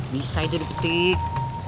bisa itu dipetik